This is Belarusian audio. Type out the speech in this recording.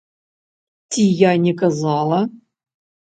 Ці я не казала!